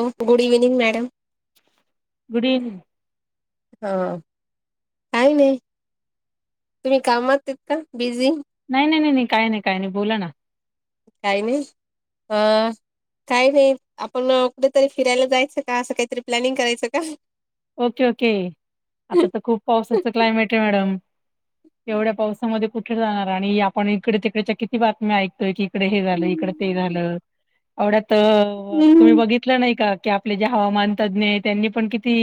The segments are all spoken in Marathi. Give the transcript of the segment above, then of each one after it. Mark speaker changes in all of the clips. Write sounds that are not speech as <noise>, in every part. Speaker 1: हो good evening madam
Speaker 2: good eve
Speaker 1: हा काही नाही, तुम्ही कामात येत का बिझी?
Speaker 2: नाही नाही नाही नाही काय नाही काय नाही बोला ना.
Speaker 1: काही नाही अ. काही नाही आपण कुठेतरी फिरायला जायचं का असं काहीतरी प्लॅनिंग करायचं का?
Speaker 2: ओके, ओके, आता तर खूप पावसाचं क्लायमेट आहे मॅडम. एवढ्या पावसामध्ये कुठे जाणार आणि आपण इकडे तिकडच्या किती बातम्या ऐकतोय की इकडे हे झालं इकडे. ते झालं.
Speaker 1: ह
Speaker 2: आवड्यात तुम्ही बघितलं नाही का की आपले जे हवामान तज्ज्ञ त्यांनी पण किती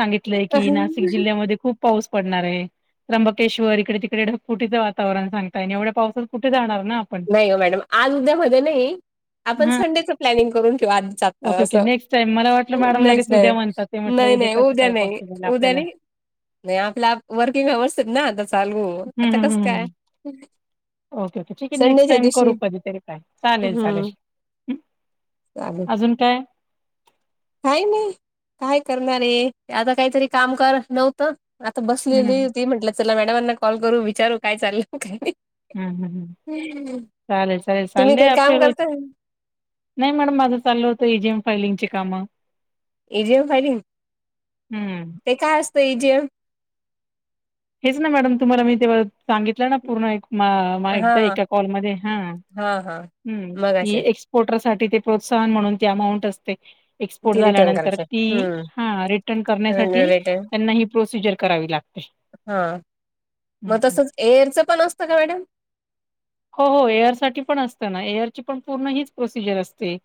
Speaker 2: सांगितलंय की नाशिक जिल्ह्यामध्ये खूप पाऊस पडणार आहे. त्र्यबकेश्वर इकडे तिकडे ढगफुटीचं वातावरण सांगताय एवढ पावसाात कुठे जाणार ना आपण.
Speaker 1: नाही हो मॅडम आज उद्या मध्ये नाही आपण
Speaker 2: हा
Speaker 1: संडेचं प्लॅनिंग करून किंवा आज
Speaker 2: ओके ओके
Speaker 1: असं
Speaker 2: नेक्स्ट टाइम मला वाटलं मॅडम लगेच उद्या म्हणतात ते म्हटलं
Speaker 1: नाही नाही
Speaker 2: कसं
Speaker 1: उद्या
Speaker 2: काय
Speaker 1: नाही
Speaker 2: पॉसिबल
Speaker 1: उद्या
Speaker 2: आपल्याला.
Speaker 1: नाही. नाही आपल्या वर्किंग अवर्स ना आता चालू,
Speaker 2: हम्म
Speaker 1: आता
Speaker 2: हम्म
Speaker 1: कसं काय?
Speaker 2: हम्म. ओके ओके ठीक आहे नेक्स्ट
Speaker 1: संडेच्या
Speaker 2: टाईम
Speaker 1: दिवशी
Speaker 2: करू कधीतरी काय चालेल
Speaker 1: हम्म
Speaker 2: चालेल
Speaker 1: चालेल
Speaker 2: अजून काय
Speaker 1: काही नाही काय करणार हे आता काहीतरी काम काज नव्हतं. आता
Speaker 2: हं,
Speaker 1: बसलेली
Speaker 2: हं.
Speaker 1: होती म्हटलं चला मॅडमांना कॉल करू विचारू काय चाललं काय नाही.
Speaker 2: हम् हम् चालेल चालेल
Speaker 1: तुम्ही
Speaker 2: चाललंय
Speaker 1: काही
Speaker 2: आपलं
Speaker 1: काम
Speaker 2: रोज
Speaker 1: करताय
Speaker 2: नाही मॅडम माझं चाललं होतं ए जी एम फायलिंगची कामं
Speaker 1: ए जी एम फायलिंग,
Speaker 2: हं.
Speaker 1: ते काय असतं ए जी एम?
Speaker 2: हेच ना मॅडम तुम्हाला मी तेव्हा सांगित जरा पूर्ण ऐक मा मा
Speaker 1: हा
Speaker 2: ऐकता एका कॉलमध्ये हा
Speaker 1: हा हा
Speaker 2: हम्म
Speaker 1: मग
Speaker 2: हे
Speaker 1: असे
Speaker 2: एक्स पोटरसाठी ती प्रोत्साहन म्हणून ती अमाऊंट असते. एक्सपोर्ट
Speaker 1: ती रिटर्न
Speaker 2: झाल्यानंतर
Speaker 1: करायचे
Speaker 2: ती
Speaker 1: हम्म
Speaker 2: हा रिटर्न करण्यासाठी
Speaker 1: रिटर्न
Speaker 2: त्यांना ही प्रोसिजर करावी लागते.
Speaker 1: हा
Speaker 2: हं,
Speaker 1: मग
Speaker 2: हं.
Speaker 1: तसंच, एअरच पण असतं का मॅडम?
Speaker 2: हो हो एअर साठी पण असतं ना एअरची पण पूर्ण हीच प्रोसिजर असते.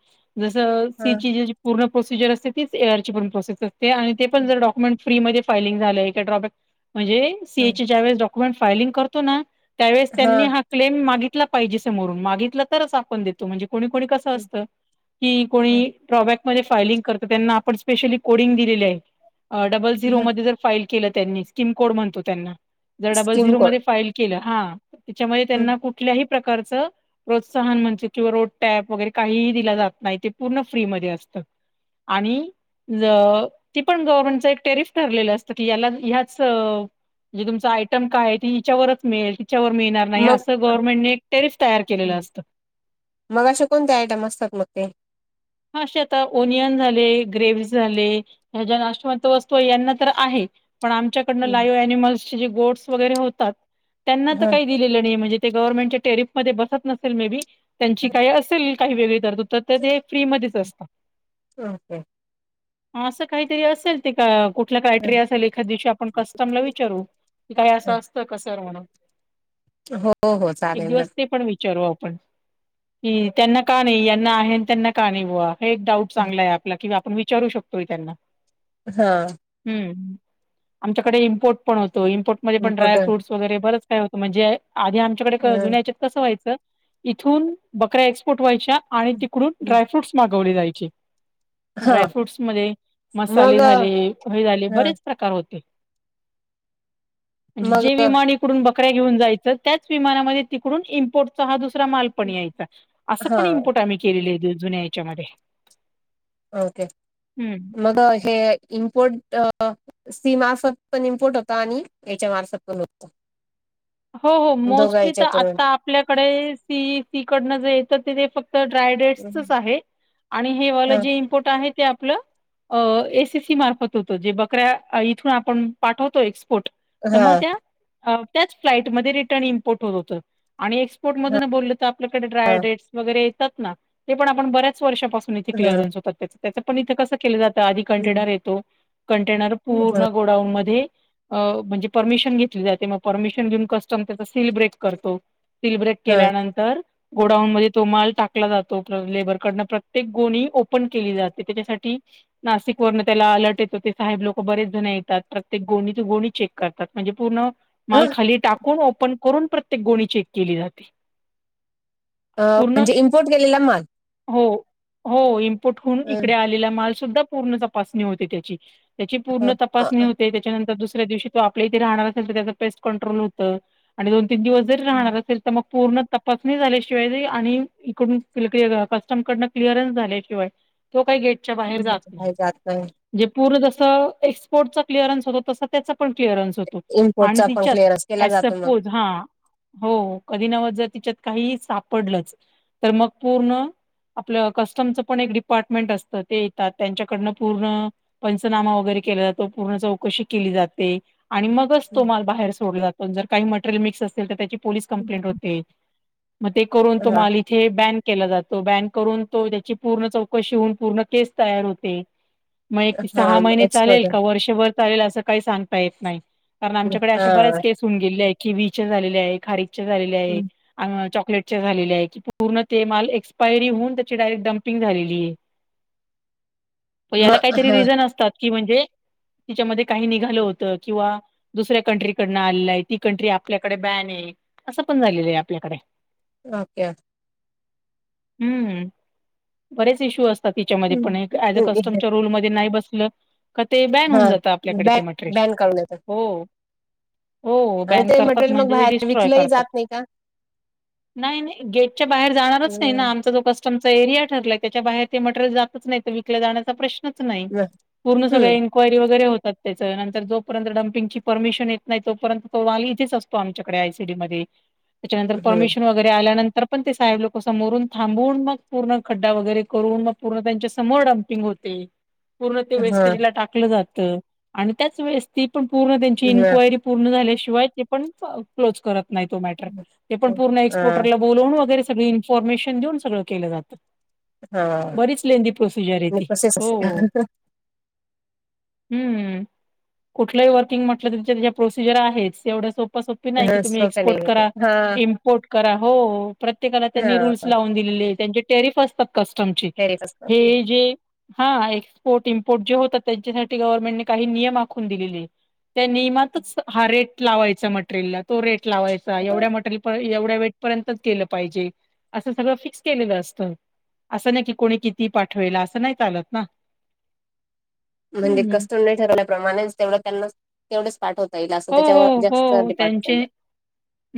Speaker 2: जसं
Speaker 1: हा
Speaker 2: सी ची जी पूर्ण प्रोसिजर असते तीच एअर ची पण प्रोसेस असते आणि ते पण जर डॉक्युमेंट फ्री मध्ये फायलिंग झालंय का ड्रॉबॅक म्हणजे सीए
Speaker 1: हा
Speaker 2: ज्या वेळेस डॉक्युमेंट फायलिंग करतो ना. त्यावेळेस त्यांनी हा क्लेम मागितला पाहिजे समोरून मागितला तरच आपण देतो. म्हणजे कोणी कोणी कसं असतं की कोणी ड्रा बॅक म्हणजे फायलिंग करतं त्यांना आपण स्पेशली कोडींग दिलेलं आहे. डबल झिरो
Speaker 1: हा
Speaker 2: मध्ये जर फाईल केलं त्यांनी स्किम कोड म्हणतो त्यांना जर डबल
Speaker 1: स्किम
Speaker 2: झिरो
Speaker 1: कोड
Speaker 2: मध्ये फाईल केलं हा त्याच्यामध्ये त्यांना कुठल्याही प्रकारचं प्रोत्साहन म्हणजे किंवा रोड टॅप वगैरे काहीही दिला जात नाही ते पूर्ण फ्री मध्ये असतं. आणि ल ती पण गव्हर्मेंटचं एक टेरिफ ठरलेलं असतं की याला याच म्हणजे तुमचा आयटम काय आहे ते हिच्यावरच मिळेल तिच्यावर मिळणार नाही
Speaker 1: मग
Speaker 2: असं गव्हर्मेंट ने एक स्टेज तयार केलेलं असतं.
Speaker 1: मग असे कोणते आयटम असतात मग ते
Speaker 2: हा असे आता ओनियन झाले ग्रेवज झाले. ह्या ज्या नाशवंत वस्तू आहे यांना तर आहे पण आमच्या पुन्हा लाईव्ह एनिमल्स ची जी गोड्स वगैरे होतात त्यांना तर
Speaker 1: ह
Speaker 2: काही दिलेलं नाही म्हणजे ते गव्हर्नमेंटच्या टेरिफमध्येध्ये बसत नसेल मे बी त्यांची काही असेल काही वेगळी तरतूद तर ते फ्रीमध्येच असतं
Speaker 1: ओके
Speaker 2: असं काहीतरी असेल ते का कुठला क्रायटेरिया असेल एखाद दिवशी आपण कस्टमला विचारू की काही असं असतं कसं म्हणून
Speaker 1: हो. हो
Speaker 2: एक
Speaker 1: चालेल
Speaker 2: दिवस ते पण विचारू आपण कि त्यांना का नाही यांना आहे त्यांना का नाही बुवा एक डाऊट
Speaker 1: नक्की
Speaker 2: चांगला आहे आपला की आपण विचारू शकतोय त्यांना
Speaker 1: हा
Speaker 2: हमम आमच्याकडे इम्पोर्ट पण होतो इम्पोर्ट मध्ये पण
Speaker 1: इम्पोर्ट
Speaker 2: ड्राय फ्रूट वगरे बरंच काय होतं म्हणजे आधी आमच्याकडे जुन्याचे कसं व्हायचं इथून बकऱ्या एक्सपोर्ट व्हायच्या आणि तिकडून ड्रायफ्रूटस मागवले जायचे
Speaker 1: हा
Speaker 2: ड्राय फ्रूटस मध्ये
Speaker 1: मग
Speaker 2: मसाले झाले हे झाले
Speaker 1: ह
Speaker 2: बरेच प्रकार होते म्हणजे
Speaker 1: मग
Speaker 2: जे विमान इकडून बकऱ्या घेऊन जायचं त्याच त्याच विमामध्ये तिकडून इम्पोर्टचा हा दुसरा माल पण यायचा असं
Speaker 1: हा
Speaker 2: पण इम्पोर्ट आम्ही केलेले आहेत जुन्या याच्यामध्ये
Speaker 1: ओके
Speaker 2: हम्म
Speaker 1: मग हे इम्पोर्ट अह सी मार्फत पण इम्पोर्ट होता आणि याच्या मार्फत पण होत
Speaker 2: हो हो
Speaker 1: दोघा
Speaker 2: मोस्टली तर
Speaker 1: याच्यातून
Speaker 2: आता आपल्याकडे सी सी कडनं जे येत ते तेे फक्त तर ड्राय डेट्सचच आहे आणि हे वालं
Speaker 1: हा हा
Speaker 2: जे इम्पोर्ट आहे ते आपलं एसीसी मार्फत होतो, जे बकऱ्या इथून आपण पाठवतो एक्सपोर्ट तर मग
Speaker 1: हा
Speaker 2: त्या अह त्याच फ्लाईटमध्ये रिटर्न इम्पोर्ट होत आणि एक्सपोर्ट मध्ये बोलल आता आपल्याकडे
Speaker 1: हा
Speaker 2: ड्राई डेट्स वगैरे येतात ना ते पण आपण बऱ्याच वर्षापासून इथे क्लिअरन्स होतात त्याचे पण इथे कस केल जात, आधी कंटेनर येतो कंटेनर पूर्ण
Speaker 1: ह
Speaker 2: गोडाउन मधे म्हणजे परमीशन घेतली जाते मग परमिशन कस्टम्स तिथ सेलिब्रिट करतो. सेलिब्रेट केल्यानंतर गोडाऊन मध्ये तो माल टाकला जातो लेबरकडन प्रत्येक गोणी ओपन केली जाते त्याच्यासाठी नाशिक वरन त्याला अलर्ट येत. ते साहेब लोक बरेच जण येतात प्रत्येक गोणीची गोणी चेक करतात म्हणजे पूर्ण माल
Speaker 1: हा.
Speaker 2: खाली टाकून ओपन करून प्रत्येक गोणी चेक केली जाते.
Speaker 1: अह
Speaker 2: पूर्ण
Speaker 1: म्हणजे इम्पोर्ट केलेला माल
Speaker 2: हो हो इम्पोर्टहून
Speaker 1: अ,
Speaker 2: इकडे आलेला माल सुद्धा पूर्ण तपासणी होते त्याची त्याची
Speaker 1: हा,
Speaker 2: पूर्ण
Speaker 1: अ,
Speaker 2: तपासणी
Speaker 1: अ,
Speaker 2: होते त्याच्यानंतर दुसऱ्या दिवशी तो आपल्या इथे राहणार असेल तर त्याचा पेस्ट कण्ट्रोल होत आणि दोन तीन दिवस जरी राहणार असेल तर मग पूर्ण तपासणी झाल्याशिवाय आणि इकडून कस्टम कडन क्लिअरन्स झाल्याशिवाय तो काही गेटच्या बाहेर जात नाही.
Speaker 1: बाहेर जात नाही
Speaker 2: म्हणे पूर्ण जस एक्सपोर्टचा क्लिअरन्स होत तसं त्याचा पण क्लिरन्स होतो आणि
Speaker 1: इम्पोर्टचा पण क्लिअरन्स
Speaker 2: तिच्यात
Speaker 1: केला जातो मग
Speaker 2: एजसपोज हा हो कधी नव जर तिच्यात काही सापडलंच तर मग पूर्ण आपलं कस्टमचं पण एक डिपार्टमेंट असतं ते येतात त्यांच्याकडनं पूर्ण पंचनामा वगैरे केला जातो. पूर्ण चौकशी केली जाते आणि मगच तो माल बाहेर सोडला जातो. आणि जर काही मटेरियल मिक्स असेल तर त्याची पोलीस कंप्लेंट होते मग ते करून तो
Speaker 1: हा
Speaker 2: माल इथे बॅन केला जातो. बॅन करून तो त्याची पूर्ण चौकशी होऊन पूर्ण केस तयार होते मग
Speaker 1: हा
Speaker 2: सहा महिने चालेल
Speaker 1: एक्सपर्ट
Speaker 2: का वर्षभर चालेल असं काही सांगता येत नाही कारण
Speaker 1: आहे
Speaker 2: आमच्याकडे अशा बऱ्याच
Speaker 1: हा
Speaker 2: केस होऊन गेलेल्या कीविच्या झालेल्या आहे, खारीकच्या झालेल्या आहे अह चॉकलेटच्या झालेल्या आहे की पूर्ण ते माल एक्स्पायरी होऊन त्याची डायरेक्ट डम्पिंग झालेली आहे मग
Speaker 1: म
Speaker 2: याला काहीतरी
Speaker 1: हा
Speaker 2: रिझन असतात की म्हणजे तिच्यामध्ये काही निघालं होत किंवा दुसऱ्या कंट्री कडन आलेल आहे ती कंट्री आपल्याकडे बॅन आहे असं पण झालेलं आहे आपल्याकडे
Speaker 1: ओके.
Speaker 2: हम्म हम्म बरेच इश्यू असत तात हीच्या पण मधे पण एक एज अ कस्टमच्या रूलमध्ये नाही बसलं का ते बॅन होऊन
Speaker 1: हा
Speaker 2: जातं आपल्याकडे
Speaker 1: बॅ
Speaker 2: ते मटेरियल.
Speaker 1: बॅन काढून येतात
Speaker 2: हो. हो
Speaker 1: आणि
Speaker 2: बॅन
Speaker 1: ते
Speaker 2: करतात
Speaker 1: मटेरियल मग
Speaker 2: म्हणजे ते
Speaker 1: बाहेर
Speaker 2: डिस्ट्रॉय
Speaker 1: विकलंही
Speaker 2: करतात
Speaker 1: जात नाही का
Speaker 2: नाही नाही गेटच्या बाहेर जाणारच नाही ना
Speaker 1: हम्म
Speaker 2: आमचा जो कस आमचा एरिया ठरलाय त्याच्या बाहेर ते मटेरियल जातच नाही तर विकला जाण्याचा प्रश्न. पूर्ण सगळ
Speaker 1: हम्म
Speaker 2: इन्क्वायरी वगरे होतात त्या नंतर जोपर्यंत डमपिंगची परमिशन. नाही तोंपर्यंत तो अहवाल इथेच असतो आमच्याकडे आयसीडी मध्ये त्याच्यानंतर
Speaker 1: हम्म
Speaker 2: परमिशन वगैरे आल्यानंतर. पण ते साहेब लोक समोरून थांबून मग पूर्ण खड्डा वगैरे करून मग पूर्ण त्यांच्या समोर डम्पिंग होते. पूर्ण ते
Speaker 1: हा
Speaker 2: वेस्टेजला टाकलं जात आणि त्याच वेळेस ती पण पूर्ण त्यांची इनक्वायरी. पूर्ण झाल्याशिवाय ते पण क्लोज करत नाही तो मॅटर ते पण पूर्ण
Speaker 1: हा
Speaker 2: एक्स्पॉटरला. बोलवून वगैरे सगळी इन्फॉर्मेशन देऊन सगळं केलं जातं.
Speaker 1: हा
Speaker 2: बरीच लेंदी प्रोसिजर आहे
Speaker 1: मग
Speaker 2: ती
Speaker 1: तसेच
Speaker 2: हो हो.
Speaker 1: असते
Speaker 2: हम्म कुठलंही वर्किंग म्हटलं तुच्या. प्रोसिजर आहेच एवढं सोपं सोपी नाही की तुम्ही
Speaker 1: सोप्या नाही
Speaker 2: एक्पोर्ट करा
Speaker 1: हा
Speaker 2: इम्पोर्ट. करा हो प्रत्येकाला त्यांनी रूल्स
Speaker 1: हा
Speaker 2: लावून दिलेले त्यांचे टेरिफ असतात. कस्टमचे
Speaker 1: फेरीच असतात
Speaker 2: हे जे. हा हा एक्सपोर्ट इम्पोर्ट जे होतात त्यांच्यासाठी गव्हर्नमेंटने काही नियम आखून दिलेले. त्या नियमातच हा रेट लावायचा मटेरियलला तो रेट लावायचा एवढ्या मटेरियल. एवढ्या वेट पर्यंत केलं पाहिजे असं सगळं फिक्स केलेलं असतं‌. असं नाही की कोणी किती पाठवेल असं नाही चालत ना.
Speaker 1: म्हणजे
Speaker 2: हम्म
Speaker 1: कस्त नाही ठरवल्याप्रमाणेच तेवढ त्यांना तेवढच पाठवत.
Speaker 2: हो हो हो त्यांचे.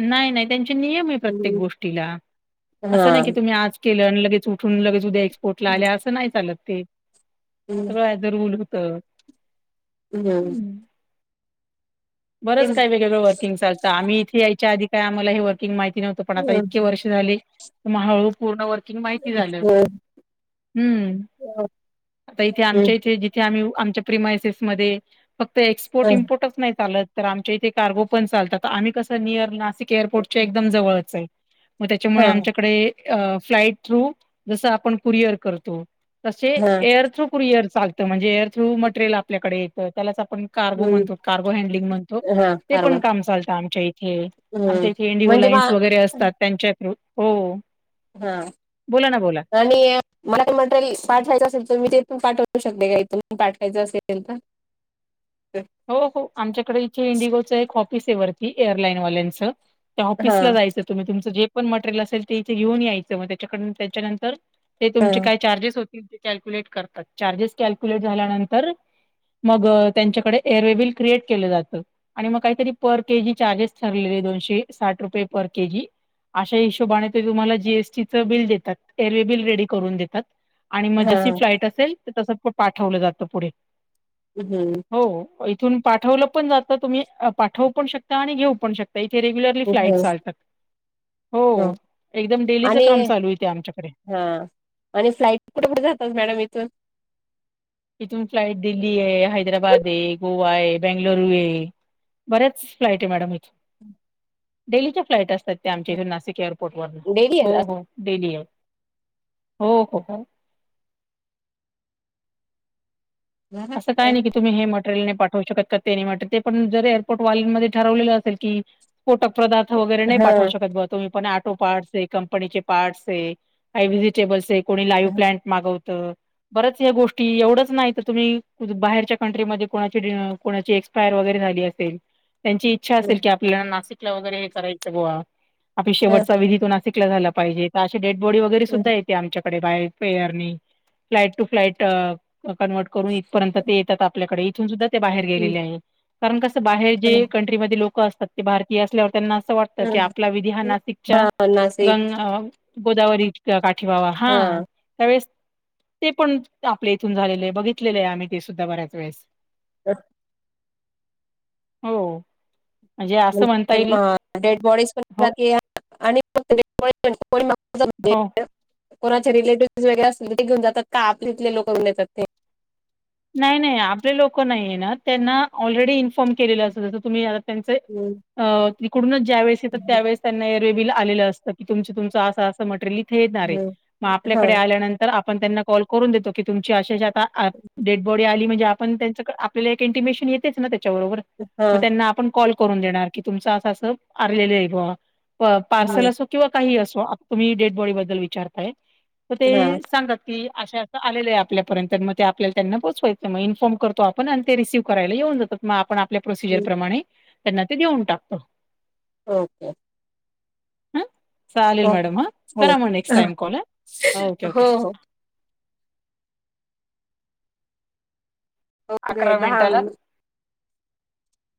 Speaker 2: नाही नाही त्यांचे नियम आहे प्रत्येक गोष्टीला असं नाही की
Speaker 1: हा
Speaker 2: तुम्ही आज. केल आणि लगेच उठून लगे्या एक्सपोर्ट ला आल्या असं नाही चालत ते सगळ. काय रूल होत.
Speaker 1: हम्म. ते
Speaker 2: बरंच
Speaker 1: हा
Speaker 2: काही वेगवेगळ वर्किंग चालत आम्ही इथ याच्या आधी काही आम्हा हे वर्किंग माहिती नवत पण आता इतक वर्ष. झाली मग हळूहळू पूर्ण. माहिती झाल, हम. आता इथे आमच्या इथे. आम्ही आमच्या प्रिमायसेस मध्ये फक्त एक्सपोर्ट इम्पोर्टच नाही चालत. तर आमच्या इथे कार्गो पण चालतात तर आम्ही कसं नियर नाशिक एअरपोर्ट च्या एकदम जवळच आहे. मग
Speaker 1: हा
Speaker 2: त्याच्यामुळे आमच्याकडे अ फ्लाइट थ्रू जस आपण कुरिअर करतो. तसे एअर थ्रू कुरिअर चालतं म्हणजे एअर थ्रू मटेरियल आपल्याकडे येतं त्यालाच आपण. कार्गो
Speaker 1: हम्म
Speaker 2: म्हणतो कार्गो हॅडलिंग म्हणतो
Speaker 1: हा
Speaker 2: ते
Speaker 1: कारवा
Speaker 2: पण काम चालतं आमच्या इथे.
Speaker 1: हम्म
Speaker 2: आमच्या इथे एंडिओ
Speaker 1: म्हणजे मा
Speaker 2: लाईन्स वगैरे असतात त्यांच्या थ्र हो.
Speaker 1: हा.
Speaker 2: बोला ना बोला
Speaker 1: आणि मला काही मटेरियल पाठवायचं असेल तर मी तेथून पाठवू शकते का इथून पाठवायचं असेल तर.
Speaker 2: हो हो आमच्याकडे इथे इंडिगोचं एक ऑफिस आहे वरती एअरलाईनवाल्यांचं. त्या
Speaker 1: हा
Speaker 2: ऑफिसला ला जायचं तुम्ही तुमचं जे पण मटेरियल असेल ते इथे घेऊन यायचं मग त्याच्याकड त्याच्यानंतर. ते
Speaker 1: हा
Speaker 2: तुमचे काय चार्जेस होते. कॅल्क्युलेट करतात, चार्जेस कल्क्युलेट झाल्यानंतर मग त्यांच्याकडे. एअरवेल क्रिएट केलं जातं. आणि मग काहीतरी पर के जी चार्जेस ठरलेले दोनशे साठ रुपये पर के जी. अशा हिशोबाने ते तुम्हाला जीएसटी च बिल देतात एअरवे बिल रेडी करून देतात. आणि मग जशी
Speaker 1: हा
Speaker 2: फ्लाईट असेल तर तस पाठवलं जातं पुढे.
Speaker 1: हम्म.
Speaker 2: हो हो, ‌ इथून पाठवलं पण जात तुम्ही पाठवू पण शकता आणि घेऊ पण शकता. तर येथे रेग्युलरली फ्लाईट चालतात. हो एकदम डेलीचं
Speaker 1: आणि
Speaker 2: काम चालू येते आमच्याकडे.
Speaker 1: हा आणि फ्लाइट कुठ कुठ जातात मॅडम इथून.
Speaker 2: इथून फ्लाइट दिल्ली आहे, हैदराबाद आहे, गोवा आहे बेंगलुरू आहे. बऱ्याच फ्लाईट आहे मॅडम इथून डेलीच्या फ्लाइट असतात त्या आमच्या इथून नासिक
Speaker 1: डेली
Speaker 2: हो हो डेली ये हो हो हो असं काय नाही की तुम्ही हे मटरिल नाही पाठवू शकत का ते नाही ते पण जर एअरपोर्ट वाल्यांमध्ये ठरवलेलं असेल की. कोट पदार्थ वगैरे नाही पाठवू शकत बघ तुम्ही पण आटो पार्ट. कंपनीचे पार्टस आहे का व्हजिटेबल्स आहे कोणी लाइव प्लंट. मागवत बरच हे गोष्टी एवढंच नाही तर तुम्ही. बाहेरच्या कंट्री मध्ये कोणाची एक्पायर वगैरे झाली असेल त्यांची इच्छा असेल की प नाशिकला वगैरे हे करायचं बॉ आपली शेवटचा विधी तो नाशिकला झाला पाहिजे. अ डेड बॉडी वगरे सुद्धा येत आमच्याकडे by air flight to flight convert करून आपल्याकडे इथून सुद्धा बाहेर गेलेल्या आहेत कारण कस बाहेर जे कण कंट्री मध्ये लोक असतात ते भारतीय असल्यावर त्यांना अस वाटत की आपला विधी हा नाशिकच्या
Speaker 1: हा हा नाशिक
Speaker 2: गंग गोदावरी काठीबाबा हा त्यावेळेस ते पण आपल्या इथून झालेलं आहे बघितलेलं आहे आम्ही ते सुद्धा बऱ्याच वेळेस.
Speaker 1: <inaudible>
Speaker 2: हो म्हणजे असं म्हणता येईल
Speaker 1: म्हणजे डेड बॉडीज पण
Speaker 2: हो
Speaker 1: जा आणि म
Speaker 2: हो
Speaker 1: <unintelligible> कोणाचे रिलेटिव्हस वगैरे घेऊन जातात का, आपली इथले लोक येतात ते
Speaker 2: नाही नाही आपले लोक नाही येणार त्यांना ऑलरेडी फोन केलेले असतात तुम्ही आता त्याचे
Speaker 1: हम्म.
Speaker 2: आ इकडूनच ज्यावेळेस येतात त्यावेळेस त्यां आलेलं असत क तुम तुमच असं असं मटेरियल इथे येणारे मग
Speaker 1: हा
Speaker 2: आपल्याकडे आल्यानंत तर आपण त्यांना कॉल करून देतो की तुमची अशे आता डेडबॉडी आहे आपण त्यांच्याकडं आपल्याला एक इंटीमेशन येतेच न त्यांच्याबरोबर म
Speaker 1: हा
Speaker 2: त्यांना आपण बरोबर कल करून देणार की, तुमचं अस अस आलेलं बॉ पार्सल
Speaker 1: हम्म,
Speaker 2: अस किंवा काही असो तुम्ही डेड बॉडी बद्दल विचारताय तर
Speaker 1: हा
Speaker 2: ते सांगातात. की अशा असं आले आहे आपल्यापर्यंत मग ते आपल्या त्यांना पोचवायच मग इन्फॉर्म करतो आपण आणि ते रिसीव्ह करायला येऊन जात मग आपण आपल्या प्रोसिजर प्रमाणे - त्यांना ते देऊन टाकतात.
Speaker 1: ओके.
Speaker 2: ह चालेल
Speaker 1: ओके
Speaker 2: मॅडम हा करा म नेक्स्ट
Speaker 1: चालेल
Speaker 2: टाईम कॉल ओके
Speaker 1: हो
Speaker 2: ओके.
Speaker 1: हो ओके
Speaker 2: अकरा
Speaker 1: दहा
Speaker 2: मिनिटाला.
Speaker 1: मिनिट